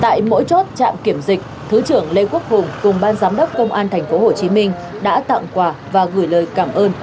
tại mỗi chốt trạm kiểm dịch thứ trưởng lê quốc hùng cùng ban giám đốc công an tp hcm đã tặng quà và gửi lời cảm ơn